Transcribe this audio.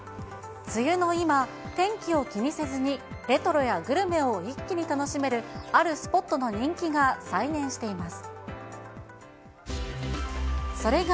梅雨の今、天気を気にせずにレトロやグルメを一気に楽しめる、あるスポットの人気が再燃しています。